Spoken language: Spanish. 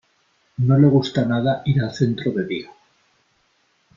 No le gusta nada ir al centro de día.